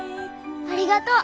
ありがとう。